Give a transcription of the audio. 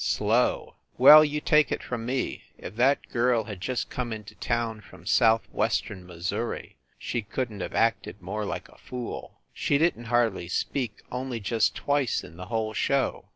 Slow. Well, you take it from me, if that girl had just come intoi town from southwestern Missouri, she couldn t have acted more like a fool. She didn t hardly speak only just twice in the whole show.